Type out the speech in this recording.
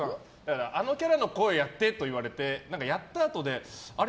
あのキャラの声やってと言われてやったあとであれ？